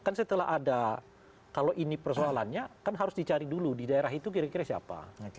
kan setelah ada kalau ini persoalannya kan harus dicari dulu di daerah itu kira kira siapa